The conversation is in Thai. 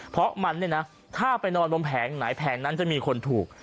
เพราะมันเนี่ยนะถ้าไปนอนบนแผงไหนแผงนั้นจะมีคนถูก